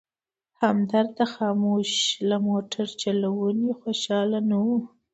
همدرد د خاموش له موټر چلونې خوشحاله نه و.